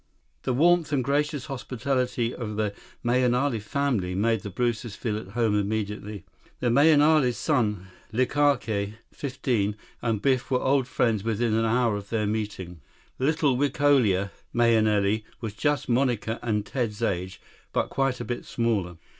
The warmth and gracious hospitality of the Mahenili family made the Brewsters feel at home immediately. The Mahenilis' son, Likake, fifteen, and Biff were old friends within an hour of their meeting. Little Wikolia Mahenili was just Monica and Ted's age, but quite a bit smaller.